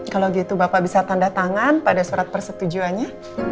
kalau gitu bapak bisa tanda tangan pada surat persetujuannya